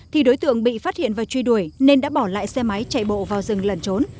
thì đối tượng bị phát hiện và truy đuổi nên đã bỏ lại xe máy chạy bộ vào rừng lần trốn